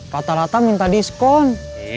rata rata minta diskon